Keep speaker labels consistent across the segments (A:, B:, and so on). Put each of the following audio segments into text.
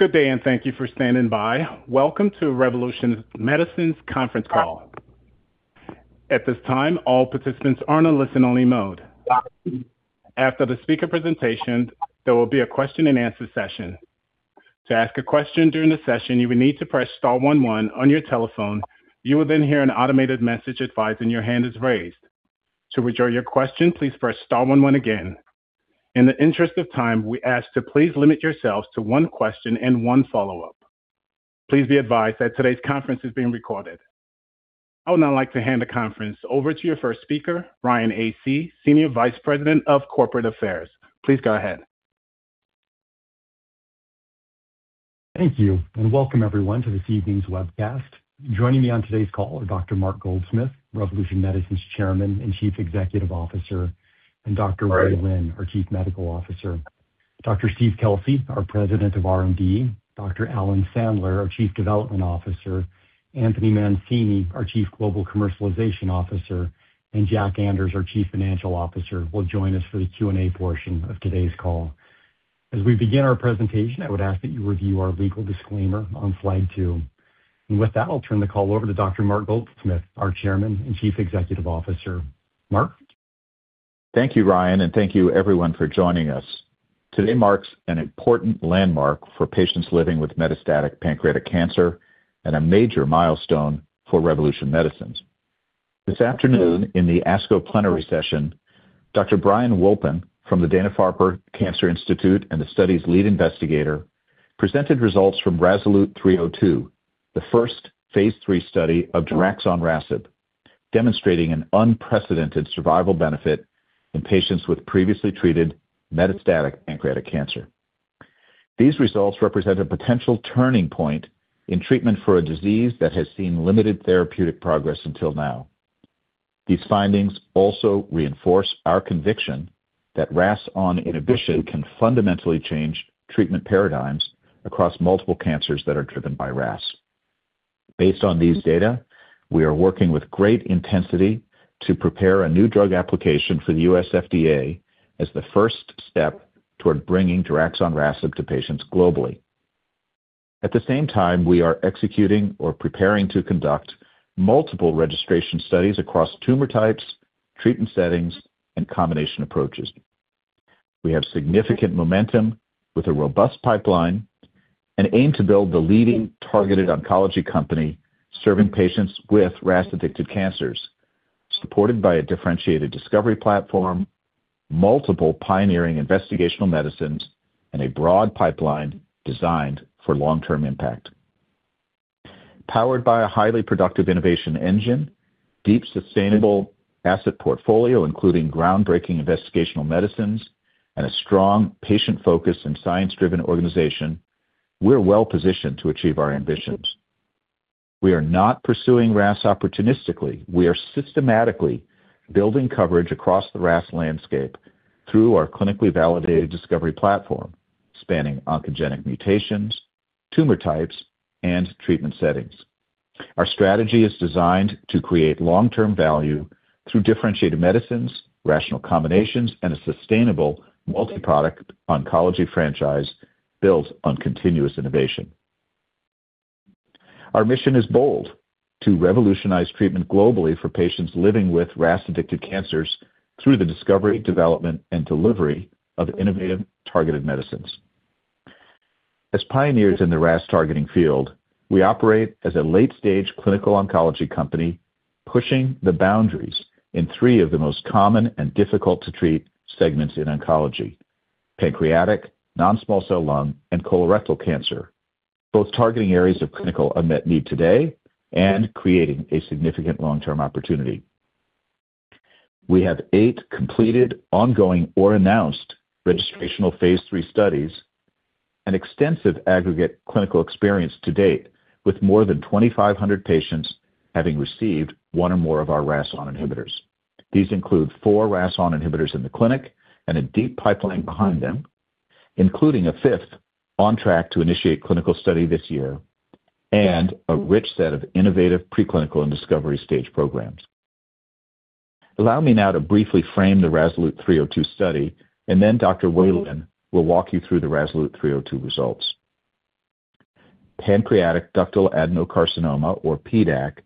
A: Good day, and thank you for standing by. Welcome to Revolution Medicines' conference call. At this time, all participants are in a listen-only mode. After the speaker presentation, there will be a question and answer session. To ask a question during the session, you would need to press star one one on your telephone. You will then hear an automated message advising your hand is raised. To withdraw your question, please press star one one again. In the interest of time, we ask to please limit yourselves to one question and one follow-up. Please be advised that today's conference is being recorded. I would now like to hand the conference over to your first speaker, Ryan Asay, Senior Vice President of Corporate Affairs. Please go ahead.
B: Thank you. Welcome everyone to this evening's webcast. Joining me on today's call are Dr. Mark Goldsmith, Revolution Medicines' Chairman and Chief Executive Officer, and Dr. Wei Lin, our Chief Medical Officer, Dr. Steve Kelsey, our President of R&D, Dr. Alan Sandler, our Chief Development Officer, Anthony Mancini, our Chief Global Commercialization Officer, and Jack Anders, our Chief Financial Officer will join us for the Q&A portion of today's call. As we begin our presentation, I would ask that you review our legal disclaimer on slide two. With that, I'll turn the call over to Dr. Mark Goldsmith, our Chairman and Chief Executive Officer. Mark?
C: Thank you, Ryan, and thank you everyone for joining us. Today marks an important landmark for patients living with metastatic pancreatic cancer and a major milestone for Revolution Medicines. This afternoon in the ASCO plenary session, Dr. Brian Wolpin from the Dana-Farber Cancer Institute and the study's lead investigator presented results from RASolute 302, the first phase III study of daraxonrasib, demonstrating an unprecedented survival benefit in patients with previously treated metastatic pancreatic cancer. These results represent a potential turning point in treatment for a disease that has seen limited therapeutic progress until now. These findings also reinforce our conviction that RAS(ON) inhibition can fundamentally change treatment paradigms across multiple cancers that are driven by RAS. Based on these data, we are working with great intensity to prepare a new drug application for the U.S. FDA as the first step toward bringing daraxonrasib to patients globally. At the same time, we are executing or preparing to conduct multiple registration studies across tumor types, treatment settings, and combination approaches. We have significant momentum with a robust pipeline and aim to build the leading targeted oncology company serving patients with RAS-addicted cancers, supported by a differentiated discovery platform, multiple pioneering investigational medicines, and a broad pipeline designed for long-term impact. Powered by a highly productive innovation engine, deep sustainable asset portfolio, including groundbreaking investigational medicines, and a strong patient focus and science-driven organization, we're well-positioned to achieve our ambitions. We are not pursuing RAS opportunistically. We are systematically building coverage across the RAS landscape through our clinically validated discovery platform, spanning oncogenic mutations, tumor types, and treatment settings. Our strategy is designed to create long-term value through differentiated medicines, rational combinations, and a sustainable multi-product oncology franchise built on continuous innovation. Our mission is bold, to revolutionize treatment globally for patients living with RAS-addicted cancers through the discovery, development, and delivery of innovative targeted medicines. As pioneers in the RAS targeting field, we operate as a late-stage clinical oncology company, pushing the boundaries in three of the most common and difficult-to-treat segments in oncology, pancreatic, non-small cell lung, and colorectal cancer, both targeting areas of clinical unmet need today and creating a significant long-term opportunity. We have eight completed, ongoing, or announced registrational phase III studies, and extensive aggregate clinical experience to date, with more than 2,500 patients having received one or more of our RAS(ON) inhibitors. These include four RAS(ON) inhibitors in the clinic and a deep pipeline behind them, including a fifth on track to initiate clinical study this year and a rich set of innovative preclinical and discovery stage programs. Allow me now to briefly frame the RASolute 302 study, and then Dr. Wei Lin will walk you through the RASolute 302 results. Pancreatic ductal adenocarcinoma, or PDAC,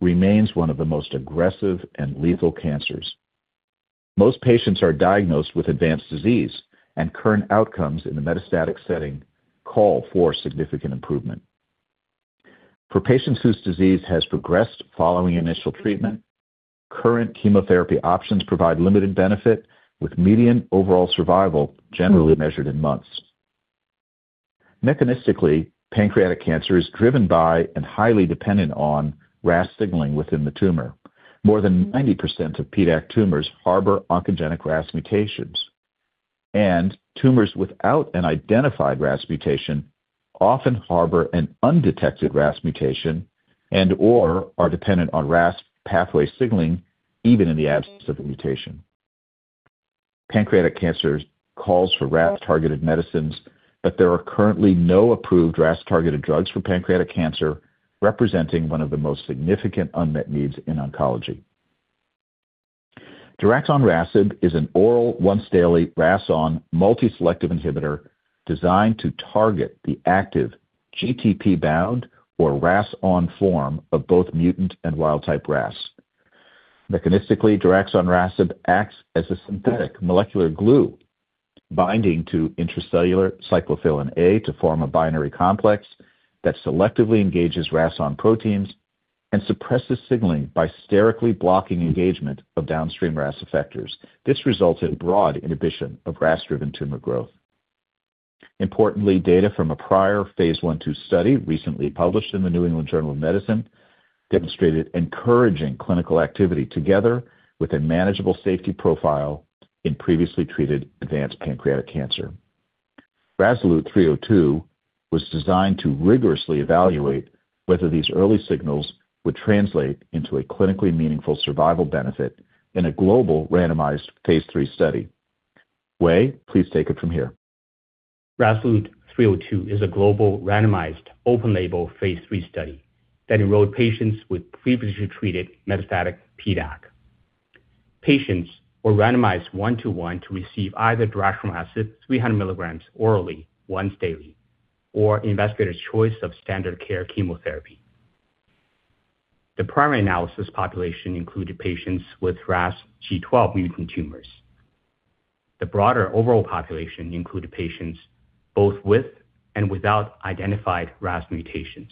C: remains one of the most aggressive and lethal cancers. Most patients are diagnosed with advanced disease, and current outcomes in the metastatic setting call for significant improvement. For patients whose disease has progressed following initial treatment, current chemotherapy options provide limited benefit, with median overall survival generally measured in months. Mechanistically, pancreatic cancer is driven by and highly dependent on RAS signaling within the tumor. More than 90% of PDAC tumors harbor oncogenic RAS mutations, and tumors without an identified RAS mutation often harbor an undetected RAS mutation and/or are dependent on RAS pathway signaling even in the absence of a mutation. Pancreatic cancers calls for RAS-targeted medicines. There are currently no approved RAS-targeted drugs for pancreatic cancer, representing one of the most significant unmet needs in oncology. Daraxonrasib is an oral, once daily RAS(ON) multi-selective inhibitor designed to target the active GTP-bound or RAS(ON) form of both mutant and wild-type RAS. Mechanistically, daraxonrasib acts as a synthetic molecular glue, binding to intracellular cyclophilin A to form a binary complex that selectively engages RAS(ON) proteins and suppresses signaling by sterically blocking engagement of downstream RAS effectors. This results in broad inhibition of RAS-driven tumor growth. Importantly, data from a prior phase I/II study recently published in the "New England Journal of Medicine," demonstrated encouraging clinical activity together with a manageable safety profile in previously treated advanced pancreatic cancer. RASolute 302 was designed to rigorously evaluate whether these early signals would translate into a clinically meaningful survival benefit in a global randomized phase III study. Wei, please take it from here.
D: RASolute 302 is a global randomized, open-label, phase III study that enrolled patients with previously treated metastatic PDAC. Patients were randomized one-to-one to receive either daraxonrasib 300 mg orally once daily, or investigator's choice of standard care chemotherapy. The primary analysis population included patients with RAS G12 mutant tumors. The broader overall population included patients both with and without identified RAS mutations.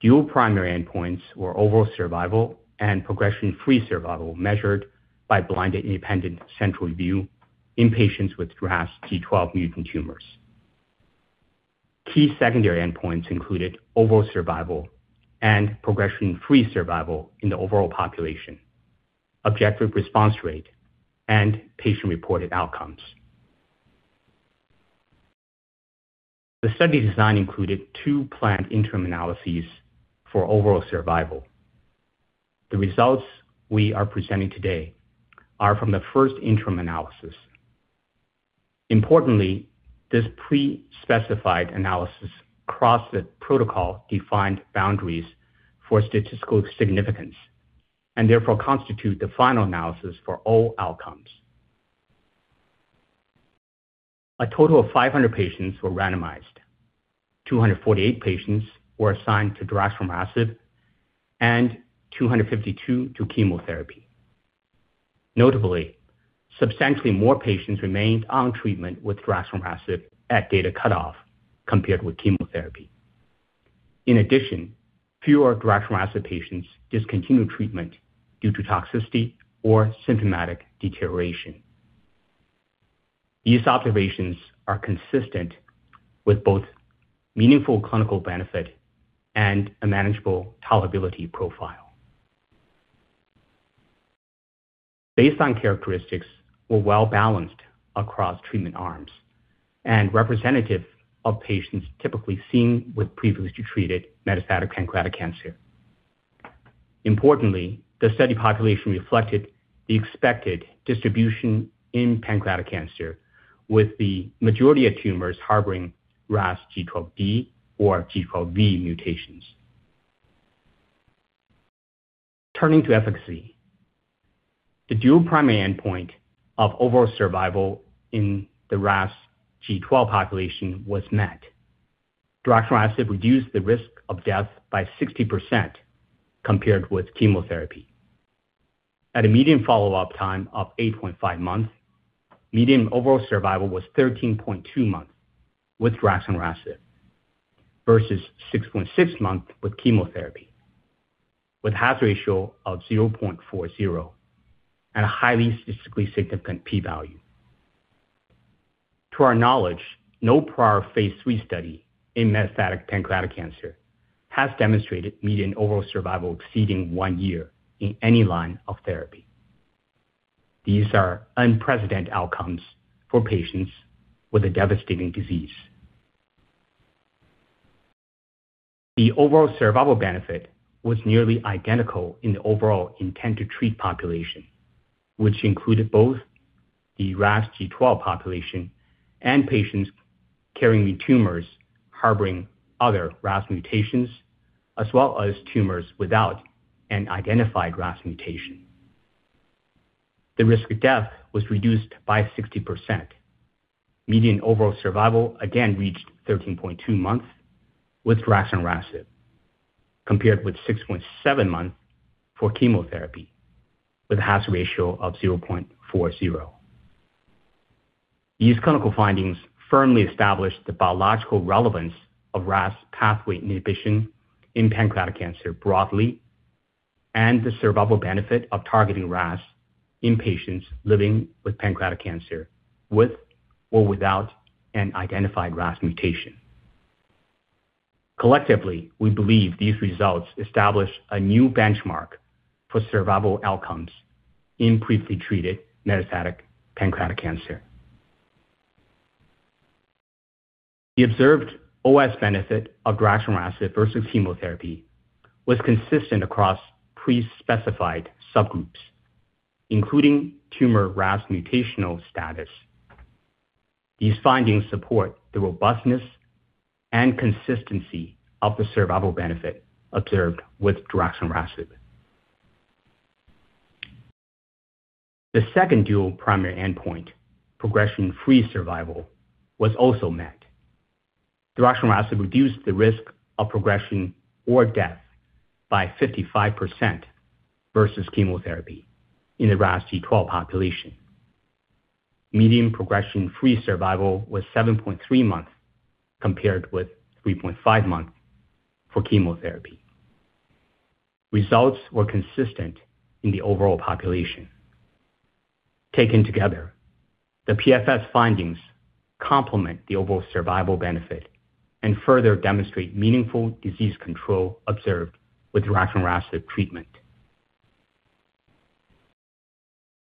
D: Dual primary endpoints were overall survival and progression-free survival, measured by blinded independent central review in patients with RAS G12 mutant tumors. Key secondary endpoints included overall survival and progression-free survival in the overall population, objective response rate, and patient-reported outcomes. The study design included two planned interim analyses for overall survival. The results we are presenting today are from the first interim analysis. Importantly, this pre-specified analysis crossed the protocol-defined boundaries for statistical significance, and therefore constitute the final analysis for all outcomes. A total of 500 patients were randomized. 248 patients were assigned to daraxonrasib and 252 to chemotherapy. Notably, substantially more patients remained on treatment with daraxonrasib at data cutoff compared with chemotherapy. In addition, fewer daraxonrasib patients discontinued treatment due to toxicity or symptomatic deterioration. These observations are consistent with both meaningful clinical benefit and a manageable tolerability profile. Baseline characteristics were well-balanced across treatment arms and representative of patients typically seen with previously treated metastatic pancreatic cancer. Importantly, the study population reflected the expected distribution in pancreatic cancer, with the majority of tumors harboring RAS G12D or G12V mutations. Turning to efficacy. The dual primary endpoint of overall survival in the RAS G12 population was met. Daraxonrasib reduced the risk of death by 60% compared with chemotherapy. At a median follow-up time of 8.5 months, median overall survival was 13.2 months with daraxonrasib versus 6.6 months with chemotherapy, with hazard ratio of 0.40 and a highly statistically significant P value. To our knowledge, no prior phase III study in metastatic pancreatic cancer has demonstrated median overall survival exceeding one year in any line of therapy. These are unprecedented outcomes for patients with a devastating disease. The overall survival benefit was nearly identical in the overall intent to treat population, which included both the RAS G12 population and patients carrying the tumors harboring other RAS mutations, as well as tumors without an identified RAS mutation. The risk of death was reduced by 60%. Median overall survival again reached 13.2 months with daraxonrasib, compared with 6.7 months for chemotherapy, with hazard ratio of 0.40. These clinical findings firmly establish the biological relevance of RAS pathway inhibition in pancreatic cancer broadly, and the survival benefit of targeting RAS in patients living with pancreatic cancer, with or without an identified RAS mutation. Collectively, we believe these results establish a new benchmark for survival outcomes in previously treated metastatic pancreatic cancer. The observed overall survival benefit of daraxonrasib versus chemotherapy was consistent across pre-specified subgroups, including tumor RAS mutational status. These findings support the robustness and consistency of the survival benefit observed with daraxonrasib. The second dual primary endpoint, progression-free survival, was also met. Daraxonrasib reduced the risk of progression or death by 55% versus chemotherapy in the RAS G12 population. Median progression-free survival was 7.3 months compared with 3.5 months for chemotherapy. Results were consistent in the overall population. Taken together, the PFS findings complement the overall survival benefit and further demonstrate meaningful disease control observed with daraxonrasib treatment.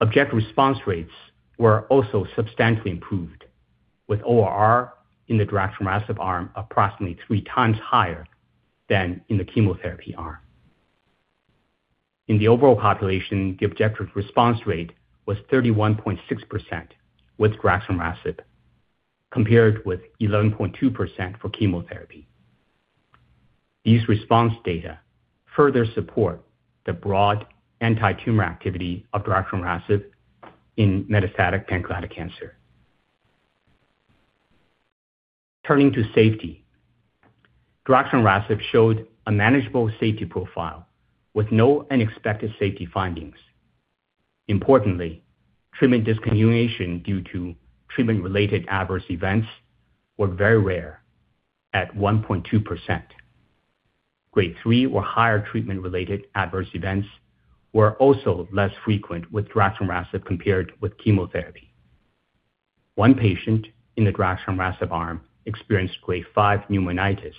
D: Objective response rates were also substantially improved, with ORR in the daraxonrasib arm approximately 3x higher than in the chemotherapy arm. In the overall population, the objective response rate was 31.6% with daraxonrasib, compared with 11.2% for chemotherapy. These response data further support the broad antitumor activity of daraxonrasib in metastatic pancreatic cancer. Turning to safety, daraxonrasib showed a manageable safety profile with no unexpected safety findings. Importantly, treatment discontinuation due to treatment-related adverse events were very rare at 1.2%. Grade 3 or higher treatment-related adverse events were also less frequent with daraxonrasib compared with chemotherapy. One patient in the daraxonrasib arm experienced grade 5 pneumonitis,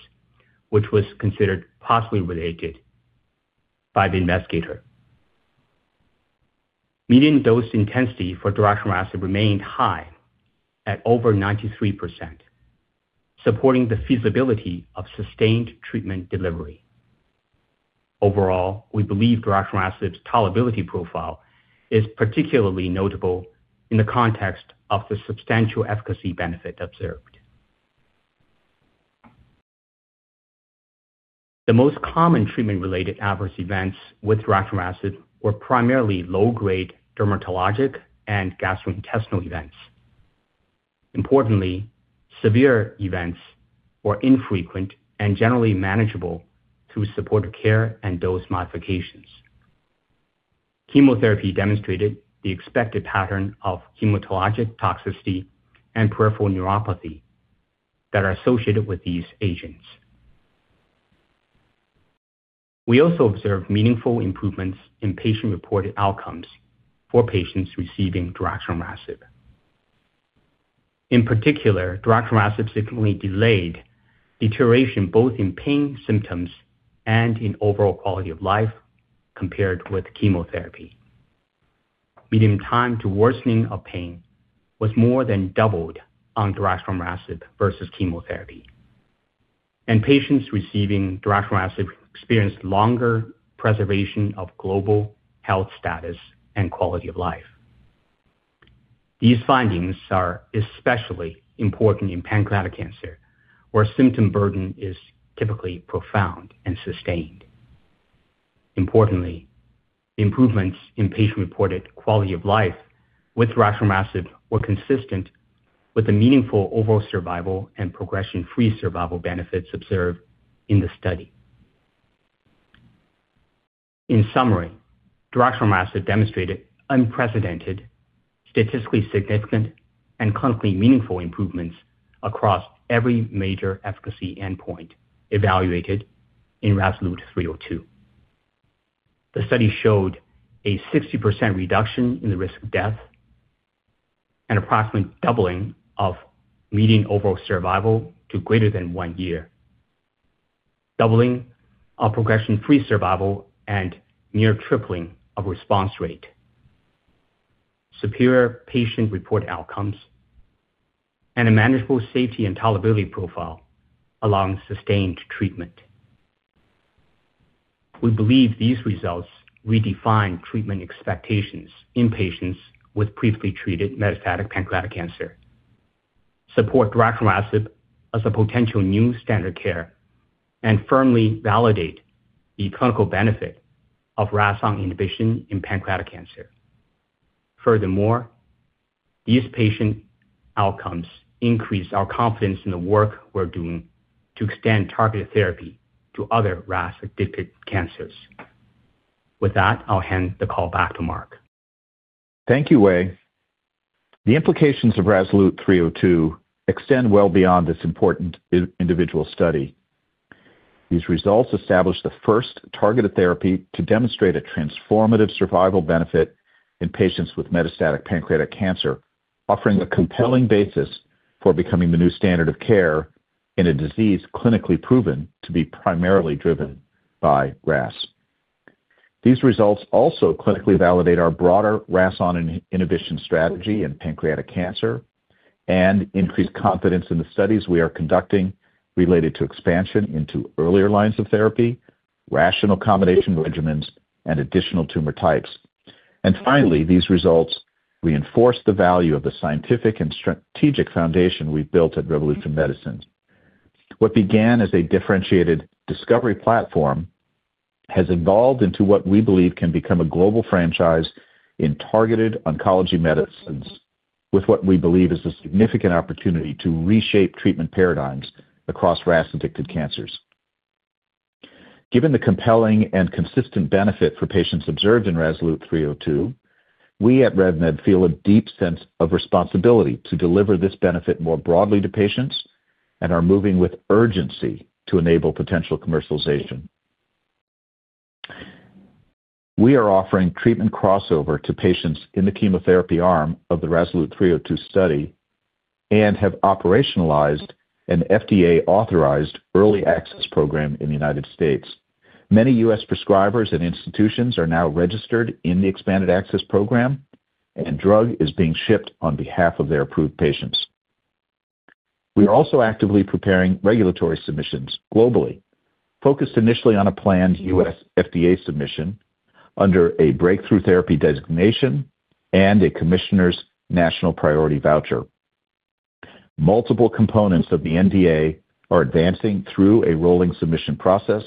D: which was considered possibly related by the investigator. Median dose intensity for daraxonrasib remained high at over 93%, supporting the feasibility of sustained treatment delivery. Overall, we believe daraxonrasib's tolerability profile is particularly notable in the context of the substantial efficacy benefit observed. The most common treatment-related adverse events with daraxonrasib were primarily low-grade dermatologic and gastrointestinal events. Importantly, severe events were infrequent and generally manageable through supportive care and dose modifications. Chemotherapy demonstrated the expected pattern of hematologic toxicity and peripheral neuropathy that are associated with these agents. We also observed meaningful improvements in patient-reported outcomes for patients receiving daraxonrasib. In particular, daraxonrasib significantly delayed deterioration both in pain symptoms and in overall quality of life compared with chemotherapy. Median time to worsening of pain was more than doubled on daraxonrasib versus chemotherapy, and patients receiving daraxonrasib experienced longer preservation of global health status and quality of life. These findings are especially important in pancreatic cancer, where symptom burden is typically profound and sustained. Importantly, improvements in patient-reported quality of life with daraxonrasib were consistent with the meaningful overall survival and progression-free survival benefits observed in the study. In summary, daraxonrasib demonstrated unprecedented statistically significant and clinically meaningful improvements across every major efficacy endpoint evaluated in RASolute 302. The study showed a 60% reduction in the risk of death and approximately doubling of median overall survival to greater than one year, doubling of progression-free survival and near tripling of response rate, superior patient-reported outcomes, and a manageable safety and tolerability profile along sustained treatment. We believe these results redefine treatment expectations in patients with previously treated metastatic pancreatic cancer, support daraxonrasib as a potential new standard of care, and firmly validate the clinical benefit of RAS(ON) inhibition in pancreatic cancer. These patient outcomes increase our confidence in the work we're doing to extend targeted therapy to other RAS-addicted cancers. With that, I'll hand the call back to Mark.
C: Thank you, Wei. The implications of RASolute 302 extend well beyond this important individual study. These results establish the first targeted therapy to demonstrate a transformative survival benefit in patients with metastatic pancreatic cancer, offering a compelling basis for becoming the new standard of care in a disease clinically proven to be primarily driven by RAS. These results also clinically validate our broader RAS(ON) inhibition strategy in pancreatic cancer and increase confidence in the studies we are conducting related to expansion into earlier lines of therapy, rational combination regimens, and additional tumor types. Finally, these results reinforce the value of the scientific and strategic foundation we've built at Revolution Medicines. What began as a differentiated discovery platform has evolved into what we believe can become a global franchise in targeted oncology medicines with what we believe is a significant opportunity to reshape treatment paradigms across RAS-addicted cancers. Given the compelling and consistent benefit for patients observed in RASolute 302, we at RevMed feel a deep sense of responsibility to deliver this benefit more broadly to patients and are moving with urgency to enable potential commercialization. We are offering treatment crossover to patients in the chemotherapy arm of the RASolute 302 study and have operationalized an FDA-authorized early access program in the United States. Many U.S. prescribers and institutions are now registered in the expanded access program, and drug is being shipped on behalf of their approved patients. We are also actively preparing regulatory submissions globally, focused initially on a planned U.S. FDA submission under a Breakthrough Therapy Designation and a Commissioner's National Priority Voucher. Multiple components of the NDA are advancing through a rolling submission process,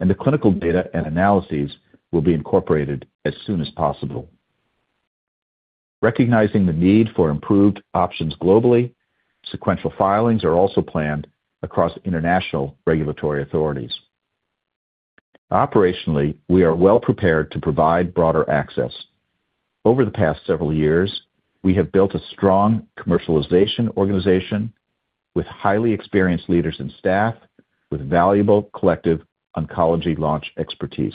C: and the clinical data and analyses will be incorporated as soon as possible. Recognizing the need for improved options globally, sequential filings are also planned across international regulatory authorities. Operationally, we are well prepared to provide broader access. Over the past several years, we have built a strong commercialization organization with highly experienced leaders and staff with valuable collective oncology launch expertise.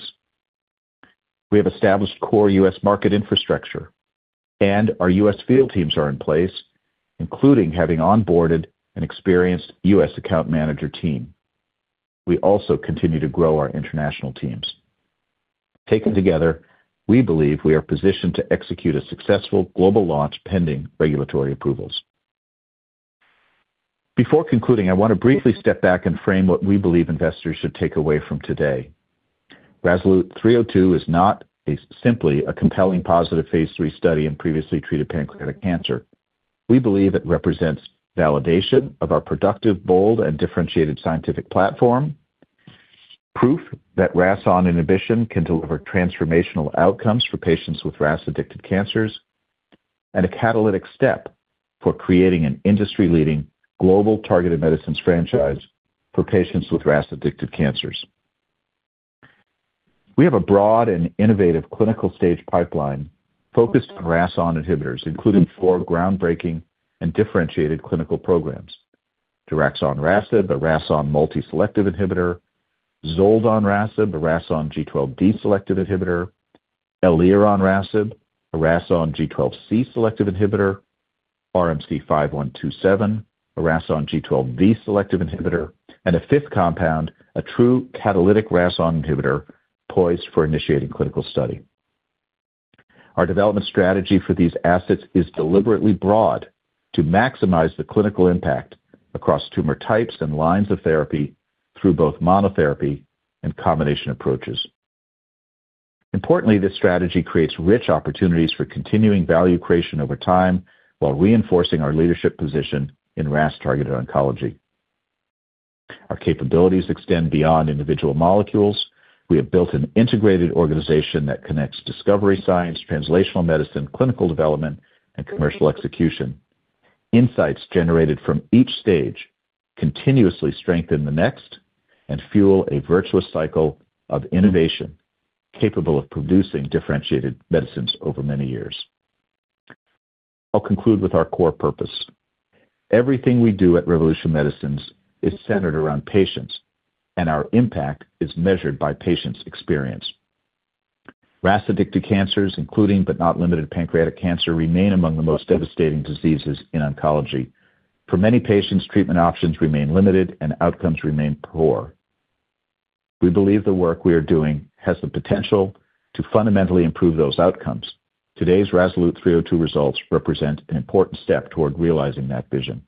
C: We have established core U.S. market infrastructure, and our U.S. field teams are in place, including having onboarded an experienced U.S. account manager team. We also continue to grow our international teams. Taken together, we believe we are positioned to execute a successful global launch pending regulatory approvals. Before concluding, I want to briefly step back and frame what we believe investors should take away from today. RASolute 302 is not simply a compelling positive phase III study in previously treated pancreatic cancer. We believe it represents validation of our productive, bold, and differentiated scientific platform, proof that RAS(ON) inhibition can deliver transformational outcomes for patients with RAS-addicted cancers, and a catalytic step for creating an industry-leading global targeted medicines franchise for patients with RAS-addicted cancers. We have a broad and innovative clinical stage pipeline focused on RAS(ON) inhibitors, including four groundbreaking and differentiated clinical programs. Daraxonrasib, a RAS(ON) multi-selective inhibitor, zoldonrasib, a RAS(ON) G12D selective inhibitor, elironrasib, a RAS(ON) G12C selective inhibitor, RMC-5127, a RAS(ON) G12V selective inhibitor, and a fifth compound, a true catalytic RAS(ON) inhibitor poised for initiating clinical study. Our development strategy for these assets is deliberately broad to maximize the clinical impact across tumor types and lines of therapy through both monotherapy and combination approaches. Importantly, this strategy creates rich opportunities for continuing value creation over time while reinforcing our leadership position in RAS-targeted oncology. Our capabilities extend beyond individual molecules. We have built an integrated organization that connects discovery, science, translational medicine, clinical development, and commercial execution. Insights generated from each stage continuously strengthen the next and fuel a virtuous cycle of innovation capable of producing differentiated medicines over many years. I'll conclude with our core purpose. Everything we do at Revolution Medicines is centered around patients, and our impact is measured by patients' experience. RAS-addicted cancers, including but not limited to pancreatic cancer, remain among the most devastating diseases in oncology. For many patients, treatment options remain limited, and outcomes remain poor. We believe the work we are doing has the potential to fundamentally improve those outcomes. Today's RASolute 302 results represent an important step toward realizing that vision.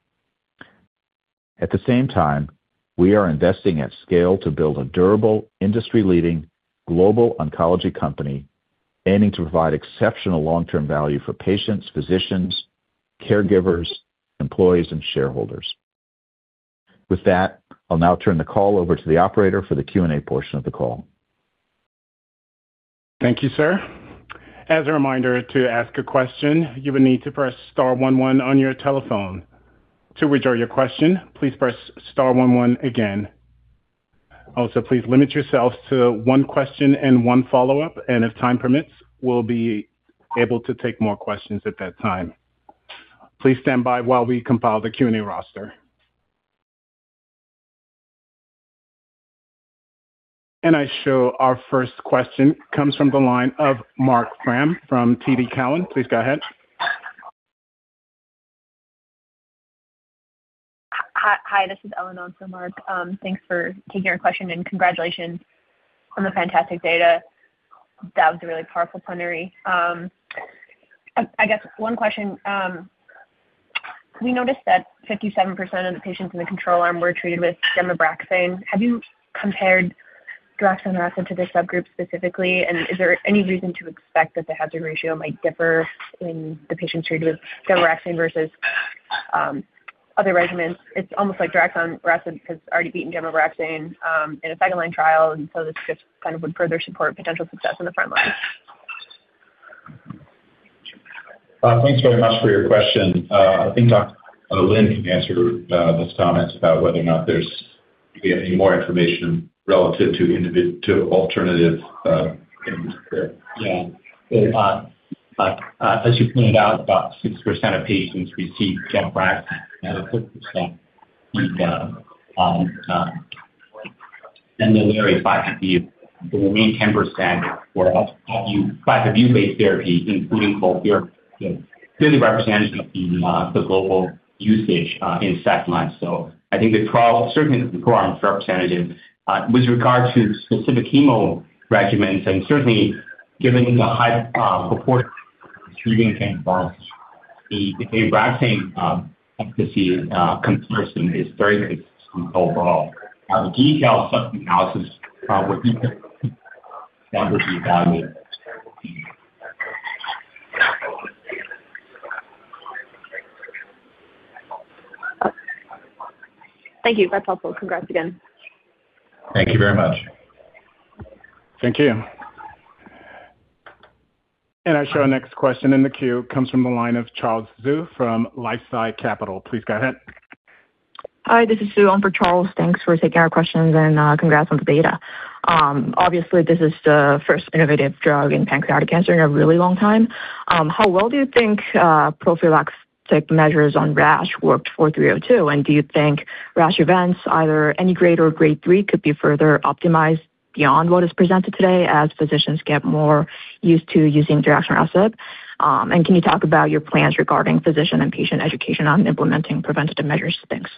C: At the same time, we are investing at scale to build a durable, industry-leading global oncology company aiming to provide exceptional long-term value for patients, physicians, caregivers, employees, and shareholders. With that, I'll now turn the call over to the operator for the Q&A portion of the call.
A: Thank you, sir. As a reminder, to ask a question, you will need to press star one one on your telephone. To withdraw your question, please press star one one again. Please limit yourself to one question and one follow-up, and if time permits, we'll be able to take more questions at that time. Please stand by while we compile the Q&A roster. I show our first question comes from the line of Marc Frahm from TD Cowen. Please go ahead.
E: Hi, this is Eleanor on for Mark. Thanks for taking our question, and congratulations on the fantastic data. That was a really powerful plenary. We noticed that 57% of the patients in the control arm were treated with gemcitabine/ABRAXANE. Have you compared daraxonrasib to this subgroup specifically, and is there any reason to expect that the hazard ratio might differ in the patients treated with gemcitabine/ABRAXANE versus other regimens? It's almost like daraxonrasib has already beaten gemcitabine/ABRAXANE in a second-line trial, this just kind of would further support potential success in the front-line.
C: Thanks very much for your question. I think Dr. Lin can answer those comments about whether or not there's any more information relative to alternatives there.
D: Yeah. As you pointed out, about 6% of patients received gemcitabine/ABRAXANE, and a further received. The remaining 10% were on a carboplatin-based therapy, including FOLFIRI. Clearly representative of the global usage in second-line. I think the trial, certainly the cohorts are representative. With regard to specific chemo regimens, and certainly given the high proportion receiving, the gemcitabine/ABRAXANE efficacy comparison is very good overall. A detailed sub analysis would be required and would be valuable.
E: Thank you. That's helpful. Congrats again.
C: Thank you very much.
A: Thank you. I show our next question in the queue comes from the line of Charles Zhu from LifeSci Capital. Please go ahead.
F: Hi, this is Sue on for Charles. Thanks for taking our questions and congrats on the data. Obviously, this is the first innovative drug in pancreatic cancer in a really long time. How well do you think prophylactic measures on rash worked for 302? Do you think rash events, either any grade or grade 3, could be further optimized beyond what is presented today as physicians get more used to using daraxonrasib? Can you talk about your plans regarding physician and patient education on implementing preventative measures? Thanks.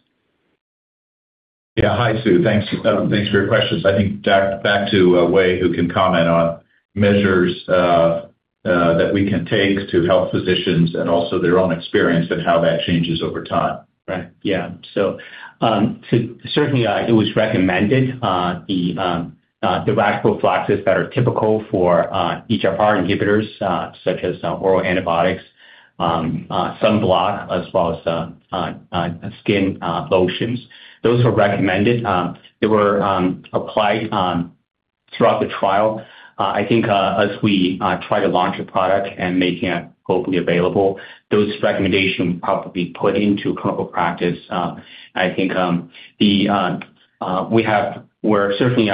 C: Yeah. Hi, Sue. Thanks for your questions. I think back to Wei, who can comment on measures that we can take to help physicians and also their own experience and how that changes over time.
D: Right. Yeah. Certainly, it was recommended the rash prophylaxis that are typical for EGFR inhibitors such as oral antibiotics, sunblock, as well as skin lotions. Those were recommended. They were applied throughout the trial. I think as we try to launch a product and making it hopefully available, those recommendations will probably be put into clinical practice. I think we're certainly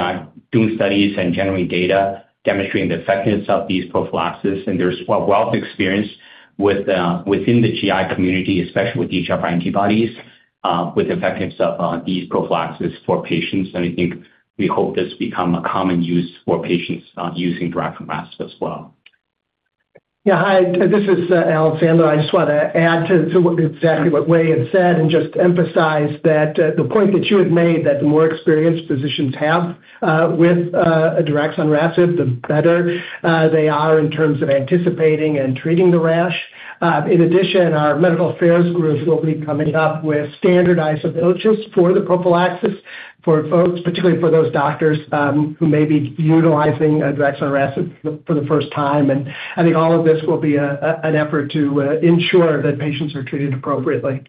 D: doing studies and generating data demonstrating the effectiveness of these prophylaxis, and there's a wealth of experience within the GI community, especially with EGFR antibodies, with effectiveness of these prophylaxis for patients. I think we hope this become a common use for patients using daraxonrasib as well.
G: Yeah. Hi, this is Alan Sandler. I just want to add to exactly what Wei had said and just emphasize that the point that you had made, that the more experienced physicians have with daraxonrasib, the better they are in terms of anticipating and treating the rash. In addition, our medical affairs groups will be coming up with standardized approaches for the prophylaxis for folks, particularly for those doctors who may be utilizing daraxonrasib for the first time. I think all of this will be an effort to ensure that patients are treated appropriately.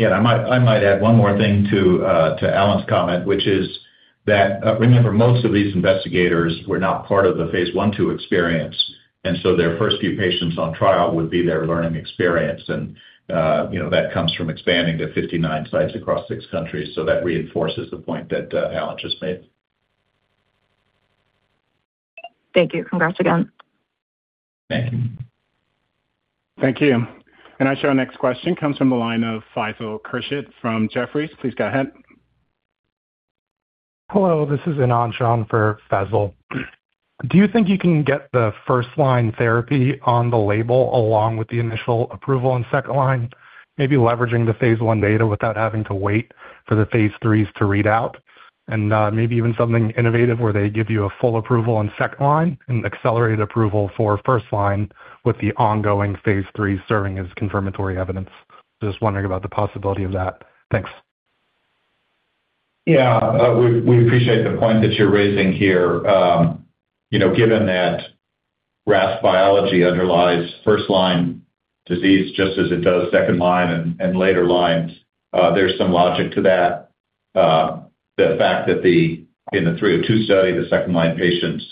C: I might add one more thing to Alan's comment, which is that, remember, most of these investigators were not part of the phase I/II experience, their first few patients on trial would be their learning experience. That comes from expanding to 59 sites across six countries. That reinforces the point that Alan just made.
F: Thank you. Congrats again.
C: Thank you.
A: Thank you. I show our next question comes from the line of Faisal Khurshid from Jefferies. Please go ahead.
H: Hello, this is [Anan Shan] for Faisal. Do you think you can get the first-line therapy on the label along with the initial approval on second-line, maybe leveraging the phase I data without having to wait for the phase IIIs to read out? Maybe even something innovative where they give you a full approval on second-line and accelerated approval for first-line with the ongoing phase III serving as confirmatory evidence. Just wondering about the possibility of that. Thanks.
C: Yeah. We appreciate the point that you're raising here. Given that RAS biology underlies first-line disease just as it does second-line and later lines, there's some logic to that. The fact that in the 302 study, the second-line patients'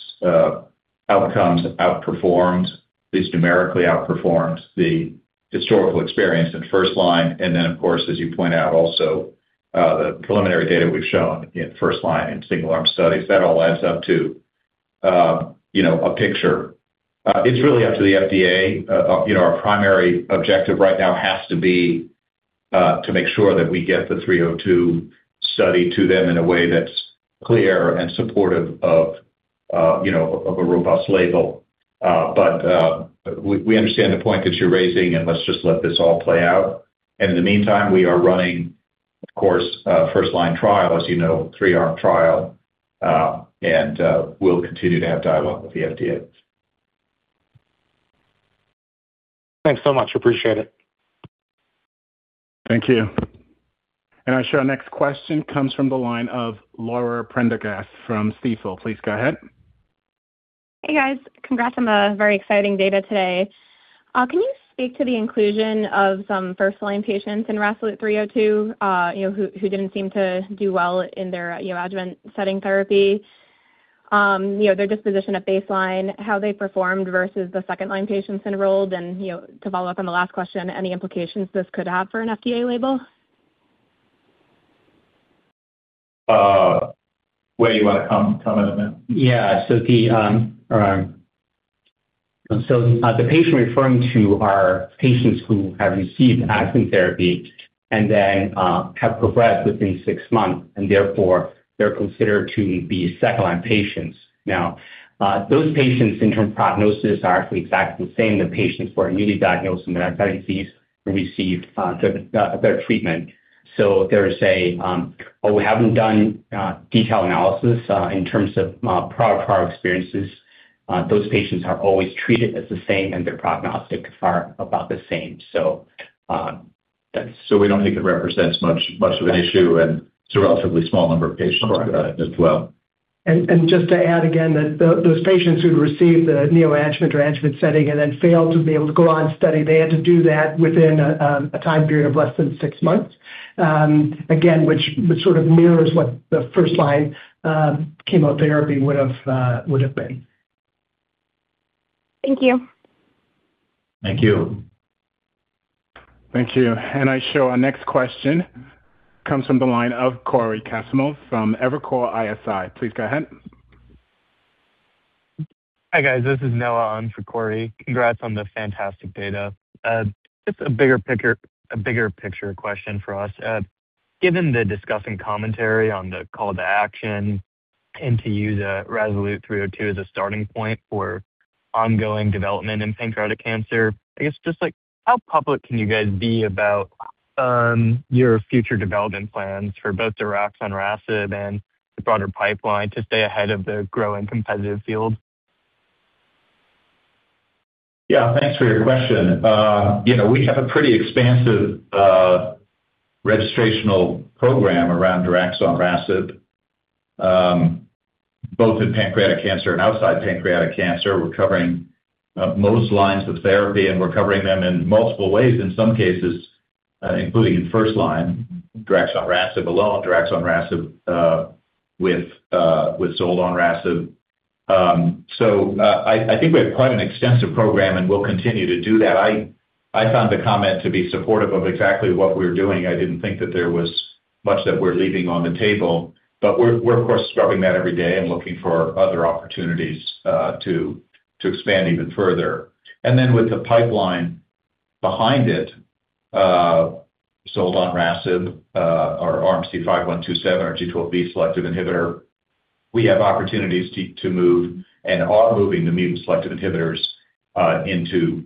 C: outcomes outperformed, at least numerically outperformed, the historical experience in first-line, and then, of course, as you point out also, the preliminary data we've shown in first-line in single arm studies, that all adds up to a picture. It's really up to the FDA. Our primary objective right now has to be to make sure that we get the 302 study to them in a way that's clear and supportive of a robust label. We understand the point that you're raising, and let's just let this all play out. In the meantime, we are running, of course, a first-line trial, as you know, a three-arm trial, and we'll continue to have dialogue with the FDA.
H: Thanks so much. Appreciate it.
A: Thank you. I show our next question comes from the line of Laura Prendergast from Stifel. Please go ahead.
I: Hey, guys. Congrats on the very exciting data today. Can you speak to the inclusion of some first-line patients in RASolute 302, who didn't seem to do well in their adjuvant setting therapy? Their disposition at baseline, how they performed versus the second-line patients enrolled, and to follow up on the last question, any implications this could have for an FDA label?
C: Wei, you want to come in?
D: Yeah. The patient referring to are patients who have received adjuvant therapy and then have progressed within six months, and therefore, they're considered to be second-line patients. Those patients' interim prognosis are actually exactly the same. The patients who are newly diagnosed with metastatic disease who received their treatment. There is, well, we haven't done detailed analysis in terms of prior experiences. Those patients are always treated as the same, and their prognostics are about the same.
C: We don't think it represents much of an issue, and it's a relatively small number of patients as well.
G: Just to add again, that those patients who received the neoadjuvant or adjuvant setting and then failed to be able to go on study, they had to do that within a time period of less than six months. Again, which sort of mirrors what the first-line chemotherapy would have been.
I: Thank you.
C: Thank you.
A: Thank you. I show our next question comes from the line of Cory Kasimov from Evercore ISI. Please go ahead.
J: Hi, guys. This is Noah. I'm for Cory. Congrats on the fantastic data. Just a bigger picture question for us. Given the discussing commentary on the call to action and to use RASolute 302 as a starting point for ongoing development in pancreatic cancer, I guess, just how public can you guys be about your future development plans for both daraxonrasib and the broader pipeline to stay ahead of the growing competitive field?
C: Thanks for your question. We have a pretty expansive registrational program around daraxonrasib, both in pancreatic cancer and outside pancreatic cancer. We're covering most lines of therapy, and we're covering them in multiple ways, in some cases, including in first-line daraxonrasib alone, daraxonrasib with zoldonrasib. I think we have quite an extensive program, and we'll continue to do that. I found the comment to be supportive of exactly what we're doing. I didn't think that there was much that we're leaving on the table, but we're of course scrubbing that every day and looking for other opportunities to expand even further. With the pipeline behind it, zoldonrasib, our RMC-5127, our G12V selective inhibitor, we have opportunities to move and are moving the mutant selective inhibitors into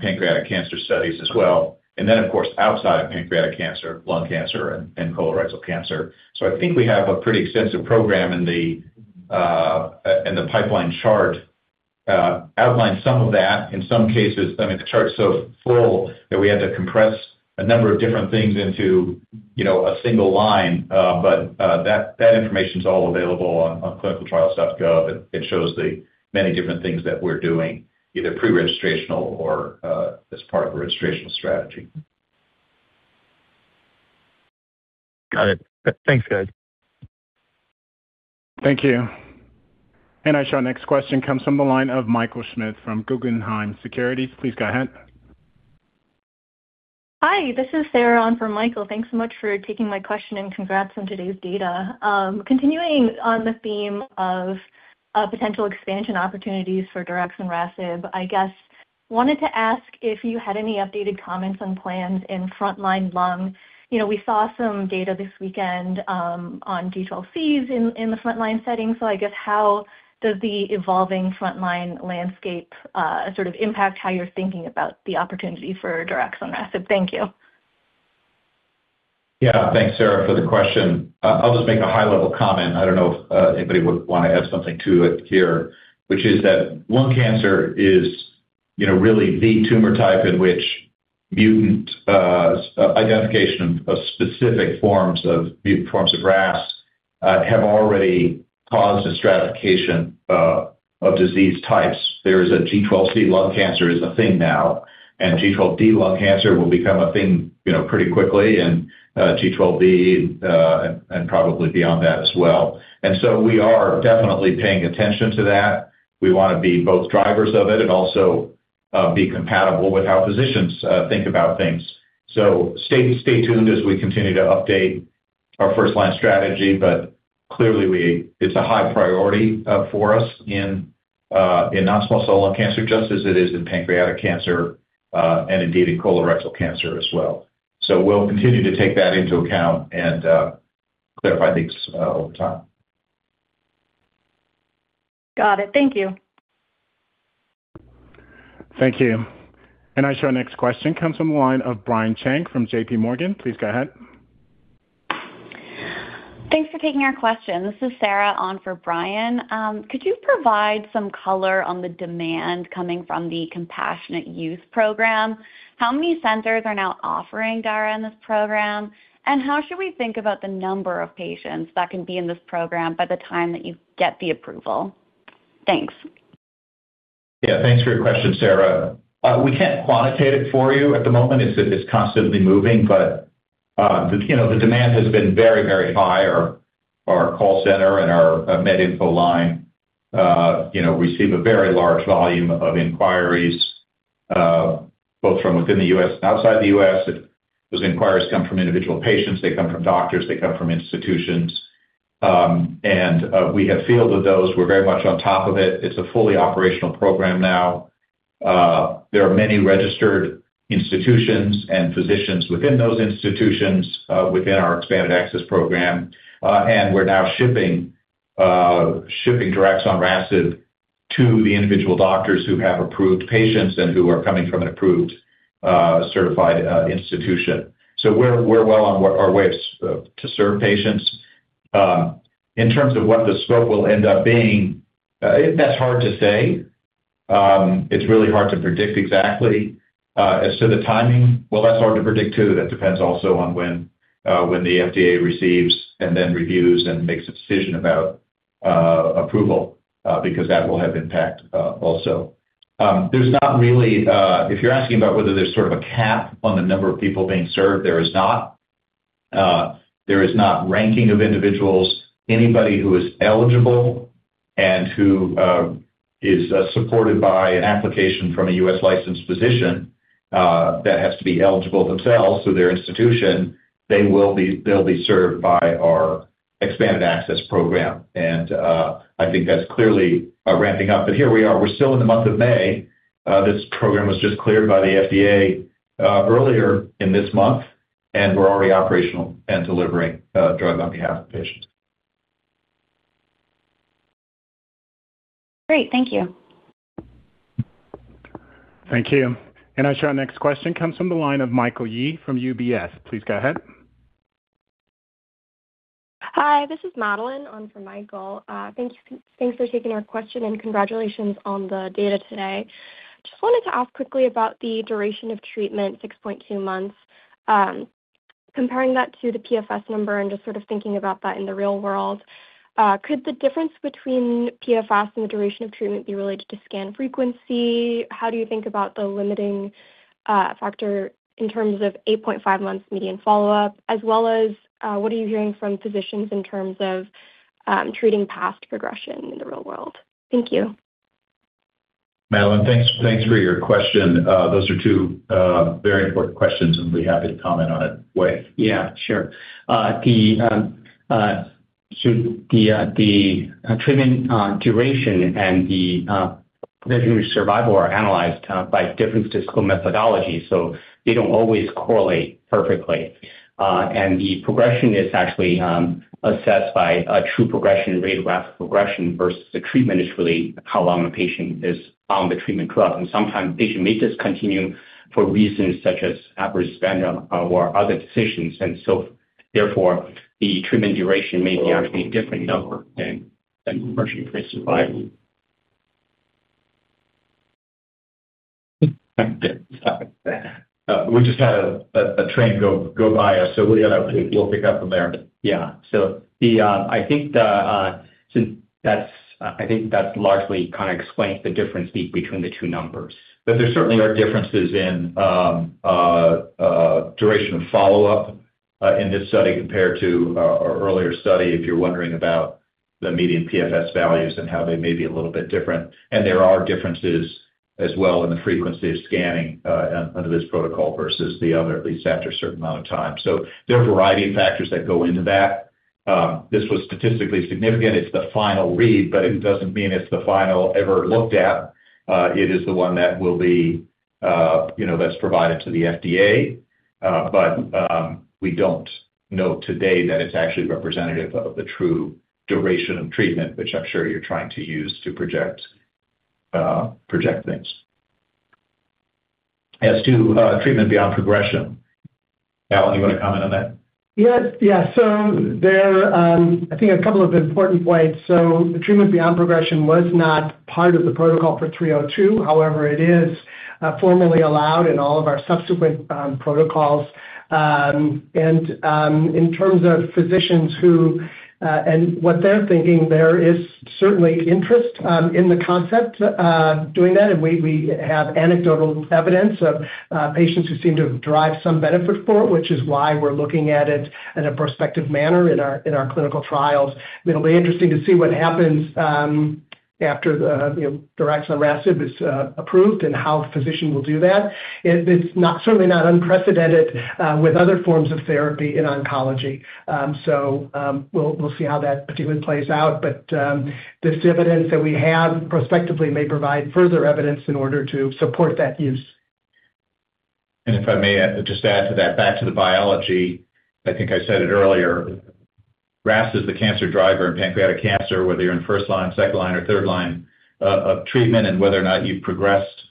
C: pancreatic cancer studies as well. Of course, outside of pancreatic cancer, lung cancer and colorectal cancer. I think we have a pretty extensive program, and the pipeline chart outlines some of that. In some cases, the chart's so full that we had to compress a number of different things into a single line. That information's all available on clinicaltrials.gov, and it shows the many different things that we're doing, either pre-registrational or as part of a registrational strategy.
J: Got it. Thanks, guys.
A: Thank you. I show our next question comes from the line of Michael Schmidt from Guggenheim Securities. Please go ahead.
K: Hi, this is Sarah on for Michael. Thanks so much for taking my question, and congrats on today's data. Continuing on the theme of potential expansion opportunities for daraxonrasib, I guess, wanted to ask if you had any updated comments on plans in front-line lung. We saw some data this weekend on G12Cs in the front-line setting, so I guess how does the evolving front-line landscape sort of impact how you're thinking about the opportunity for daraxonrasib? Thank you.
C: Yeah. Thanks, Sarah, for the question. I'll just make a high-level comment. I don't know if anybody would want to add something to it here, which is that lung cancer is really the tumor type in which mutant identification of specific forms of RAS have already caused a stratification of disease types. There is a G12C lung cancer is a thing now, and G12D lung cancer will become a thing pretty quickly, and G12V and probably beyond that as well. We are definitely paying attention to that. We want to be both drivers of it and also be compatible with how physicians think about things. Stay tuned as we continue to update our first-line strategy, but clearly it's a high priority for us in non-small cell lung cancer, just as it is in pancreatic cancer, and indeed in colorectal cancer as well. We'll continue to take that into account and clarify things over time.
K: Got it. Thank you.
A: Thank you. I show our next question comes from the line of Brian Cheng from JPMorgan. Please go ahead.
L: Thanks for taking our question. This is Sarah on for Brian. Could you provide some color on the demand coming from the compassionate use program? How many centers are now offering daraxonrasib in this program, and how should we think about the number of patients that can be in this program by the time that you get the approval? Thanks.
C: Yeah. Thanks for your question, Sarah. We can't quantitate it for you at the moment, as it is constantly moving, but the demand has been very, very high. Our call center and our med info line receive a very large volume of inquiries, both from within the U.S. and outside the U.S. Those inquiries come from individual patients, they come from doctors, they come from institutions. We have fielded those. We're very much on top of it. It's a fully operational program now. There are many registered institutions and physicians within those institutions within our Expanded Access Program. We're now shipping daraxonrasib to the individual doctors who have approved patients and who are coming from an approved certified institution. We're well on our way to serve patients. In terms of what the scope will end up being, that's hard to say. It's really hard to predict exactly. As to the timing, well, that's hard to predict, too. That depends also on when the FDA receives and then reviews and makes a decision about approval, because that will have impact also. If you're asking about whether there's sort of a cap on the number of people being served, there is not. There is not ranking of individuals. Anybody who is eligible and who is supported by an application from a U.S. licensed physician, that has to be eligible themselves through their institution, they'll be served by our Expanded Access Program. I think that's clearly ramping up. Here we are. We're still in the month of May. This program was just cleared by the FDA earlier in this month, and we're already operational and delivering drug on behalf of patients.
L: Great. Thank you.
A: Thank you. Our next question comes from the line of Michael Yee from UBS. Please go ahead.
M: Hi, this is Madeline on for Michael. Thanks for taking our question and congratulations on the data today. Wanted to ask quickly about the duration of treatment, 6.2 months. Comparing that to the PFS number and just sort of thinking about that in the real world, could the difference between PFS and the duration of treatment be related to scan frequency? How do you think about the limiting factor in terms of 8.5 months median follow-up, as well as, what are you hearing from physicians in terms of treating past progression in the real world? Thank you.
C: Madeline, thanks for your question. Those are two very important questions, and be happy to comment on it. Wei?
D: Yeah, sure. The treatment duration and the measurment of survival are analyzed by different statistical methodologies. They don't always correlate perfectly. The progression is actually assessed by a true progression, radiographic progression, versus the treatment is really how long a patient is on the treatment drug. Sometimes patient may discontinue for reasons such as adverse event or other decisions. Therefore, the treatment duration may be actually a different number than progression-free survival.
C: We just had a train go by us, so we'll pick up from there.
D: Yeah. I think that largely kind of explains the difference between the two numbers.
C: There certainly are differences in duration of follow-up in this study compared to our earlier study, if you're wondering about the median PFS values and how they may be a little bit different. There are differences as well in the frequency of scanning under this protocol versus the other, at least after a certain amount of time. There are a variety of factors that go into that. This was statistically significant. It's the final read, but it doesn't mean it's the final ever looked at. It is the one that's provided to the FDA. We don't know today that it's actually representative of the true duration of treatment, which I'm sure you're trying to use to project things. As to treatment beyond progression, Alan, you want to comment on that?
G: Yes. There, I think a couple of important points. The treatment beyond progression was not part of the protocol for 302. However, it is formally allowed in all of our subsequent protocols. In terms of physicians and what they're thinking, there is certainly interest in the concept of doing that, and we have anecdotal evidence of patients who seem to derive some benefit for it, which is why we're looking at it in a prospective manner in our clinical trials. It'll be interesting to see what happens after the daraxonrasib is approved and how physicians will do that. It's certainly not unprecedented with other forms of therapy in oncology. We'll see how that particularly plays out. This evidence that we have prospectively may provide further evidence in order to support that use.
C: If I may just add to that, back to the biology, I think I said it earlier, RAS is the cancer driver in pancreatic cancer, whether you're in first line, second line, or third line of treatment, and whether or not you've progressed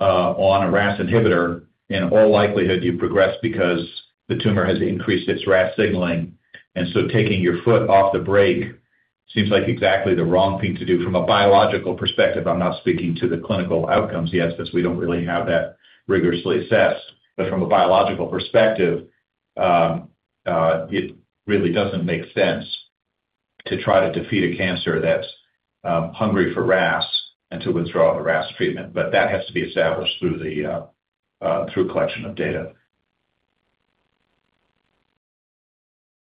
C: on a RAS inhibitor, in all likelihood, you've progressed because the tumor has increased its RAS signaling. Taking your foot off the brake seems like exactly the wrong thing to do from a biological perspective. I'm not speaking to the clinical outcomes yet, because we don't really have that rigorously assessed. From a biological perspective, it really doesn't make sense to try to defeat a cancer that's hungry for RAS and to withdraw the RAS treatment. That has to be established through collection of data.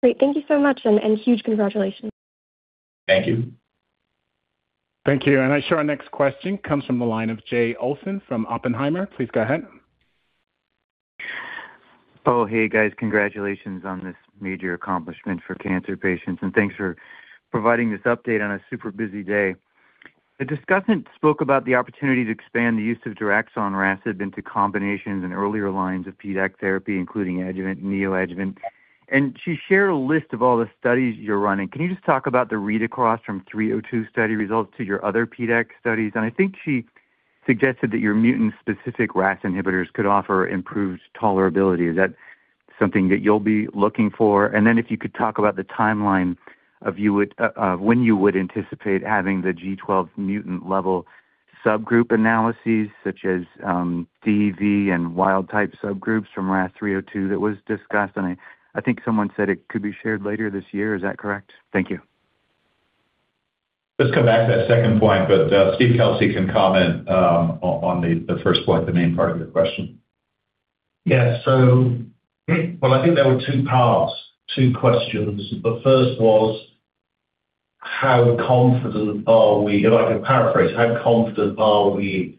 M: Great. Thank you so much. Huge congratulations.
C: Thank you.
A: Thank you. I show our next question comes from the line of Jay Olson from Oppenheimer. Please go ahead.
N: Oh, hey, guys. Congratulations on this major accomplishment for cancer patients, and thanks for providing this update on a super busy day. The discussant spoke about the opportunity to expand the use of daraxonrasib into combinations and earlier lines of PDAC therapy, including adjuvant, neoadjuvant, and she shared a list of all the studies you're running. Can you just talk about the read-across from 302 study results to your other PDAC studies? I think she suggested that your mutant-specific RAS inhibitors could offer improved tolerability. Is that something that you'll be looking for? If you could talk about the timeline of when you would anticipate having the G12 mutant level subgroup analyses, such as G12V and wild type subgroups from RAS 302 that was discussed, I think someone said it could be shared later this year. Is that correct? Thank you.
C: Let's come back to that second point, but Steve Kelsey can comment on the first point, the main part of your question.
O: Well, I think there were two parts, two questions. The first was how confident are we, if I can paraphrase, how confident are we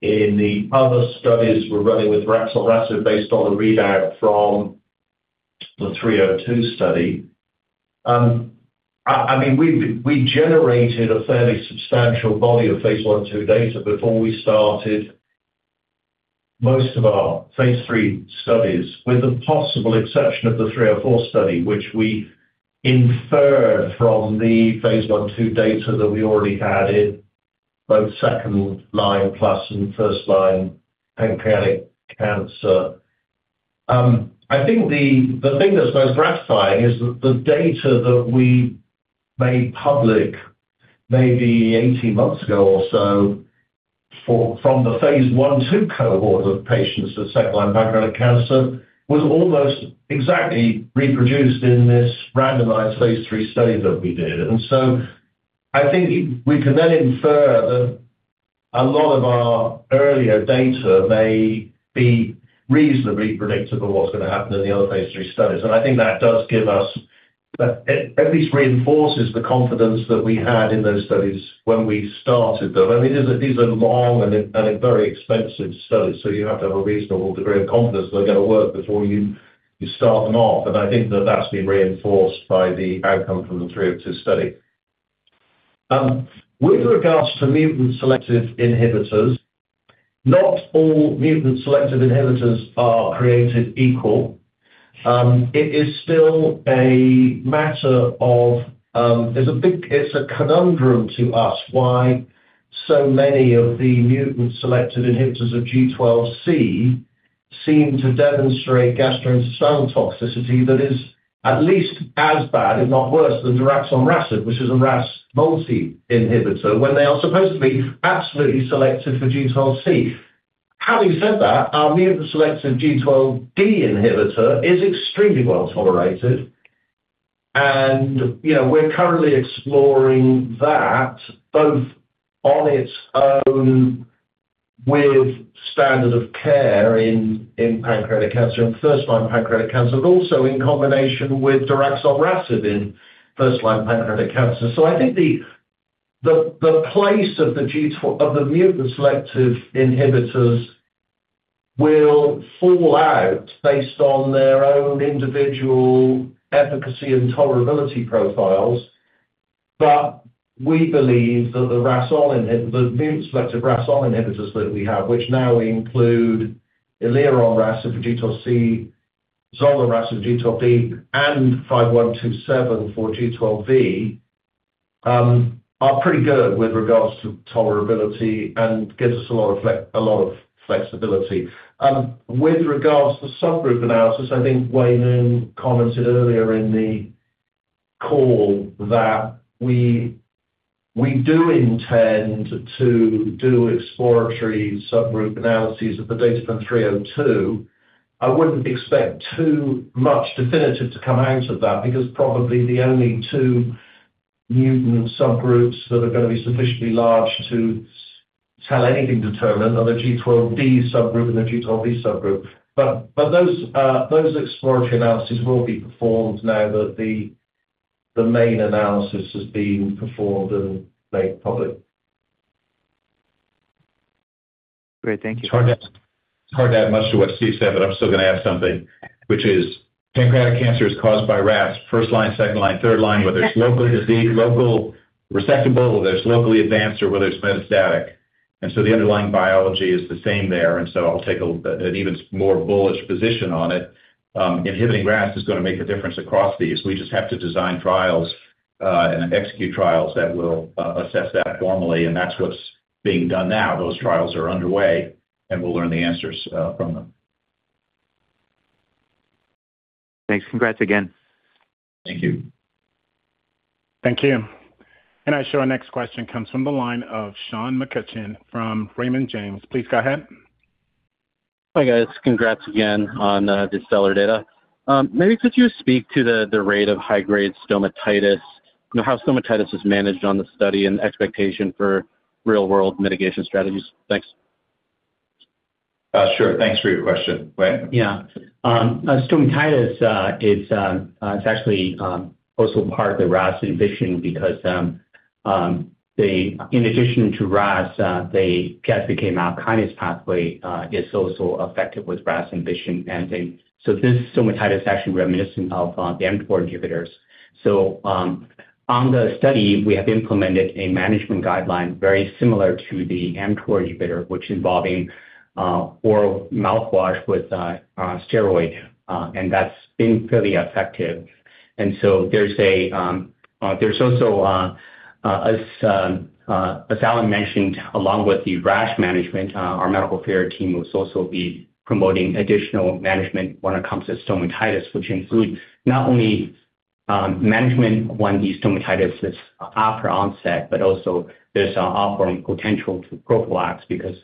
O: in the other studies we're running with daraxonrasib based on the readout from the 302 study? We generated a fairly substantial body of phase I/II data before we started most of our phase III studies, with the possible exception of the 304 study, which we inferred from the phase I/II data that we already had in both second-line plus and first-line pancreatic cancer. I think the thing that's most gratifying is that the data that we made public maybe 18 months ago or so from the phase I/II cohort of patients with second-line pancreatic cancer was almost exactly reproduced in this randomized phase III study that we did. I think we can then infer that a lot of our earlier data may be reasonably predictive of what's going to happen in the other phase III studies. I think that at least reinforces the confidence that we had in those studies when we started them. These are long and very expensive studies, so you have to have a reasonable degree of confidence they're going to work before you start them off. I think that's been reinforced by the outcome from the 302 study. With regards to mutant-selective inhibitors, not all mutant-selective inhibitors are created equal. It's a conundrum to us why so many of the mutant-selective inhibitors of G12C seem to demonstrate gastrointestinal toxicity that is at least as bad, if not worse, than daraxonrasib, which is a RAS multi-inhibitor when they are supposedly absolutely selective for G12C. Having said that, our mutant-selective G12D inhibitor is extremely well-tolerated. We're currently exploring that both on its own with standard of care in pancreatic cancer, in first-line pancreatic cancer, but also in combination with daraxonrasib in first-line pancreatic cancer. I think the place of the mutant-selective inhibitors will fall out based on their own individual efficacy and tolerability profiles. We believe that the mutant-selective RAS(ON) inhibitors that we have, which now include elironrasib for G12C, zoldonrasib G12D, and RMC-5127 for G12V, are pretty good with regards to tolerability and gives us a lot of flexibility. With regards to subgroup analysis, I think Wei Lin commented earlier in the call that we do intend to do exploratory subgroup analyses of the data from 302. I wouldn't expect too much definitive to come out of that because probably the only two mutant subgroups that are going to be sufficiently large to tell anything determined are the G12D subgroup and the G12V subgroup. Those exploratory analyses will be performed now that the main analysis has been performed and made public.
N: Great. Thank you.
C: It's hard to add much to what Steve said. I'm still going to add something, which is pancreatic cancer is caused by RAS, first-line, second-line, third-line, whether it's locally resectable, or whether it's locally advanced, or whether it's metastatic. The underlying biology is the same there, and so I'll take an even more bullish position on it. Inhibiting RAS is going to make a difference across these. We just have to design trials and execute trials that will assess that formally, and that's what's being done now. Those trials are underway, and we'll learn the answers from them.
N: Thanks. Congrats again.
C: Thank you.
A: Thank you. I show our next question comes from the line of Sean McCutcheon from Raymond James. Please go ahead.
P: Hi, guys. Congrats again on the stellar data. Maybe could you speak to the rate of high-grade stomatitis, how stomatitis is managed on the study and expectation for real-world mitigation strategies? Thanks.
C: Sure. Thanks for your question. Wei?
D: Yeah. Stomatitis is actually also part of the RAS inhibition because in addition to RAS, the PI3K/MAP kinase pathway is also affected with RAS inhibition. This stomatitis is actually reminiscent of the mTOR inhibitors. On the study, we have implemented a management guideline very similar to the mTOR inhibitor, which involving oral mouthwash with a steroid, and that's been fairly effective. There's also, as Alan mentioned, along with the rash management, our medical care team will also be promoting additional management when it comes to stomatitis, which include not only management when the stomatitis is after onset, but also there's offering potential to prophylax because